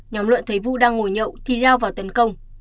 nhóm luận thấy vũ đang ngồi nhậu thì lao vào tấn công